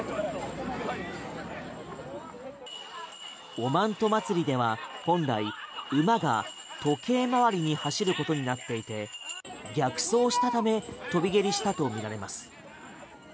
おまんと祭りでは本来、馬が時計回りに走ることになっていて逆走したため飛び蹴りしたとみられます。